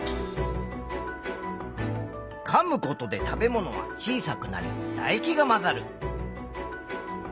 かむことで食べ物は小さくなりだ液が混ざる。